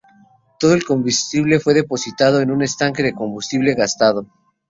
Todo el combustible fue depositado en un estanque de combustible gastado.